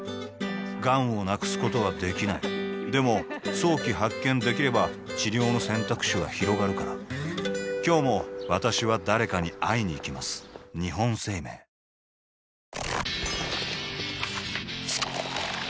がんを無くすことはできないでも早期発見できれば治療の選択肢はひろがるから今日も私は誰かに会いにいきますＣｏｍｅＯｎ！